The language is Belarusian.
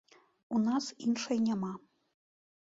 У нас іншай няма.